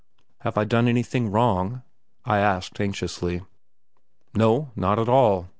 "Have I done anything wrong?" I asked anxiously. "No, not at all!"